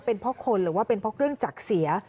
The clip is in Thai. เป็นเพราะคนหรือว่าเป็นเพราะเครื่องจักรเสีย